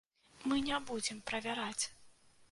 Мы не будзем правяраць.